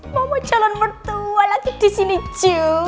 mama jalan mertua lagi disini cuu